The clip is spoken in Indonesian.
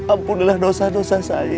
ampunilah dosa dosa saya ya allah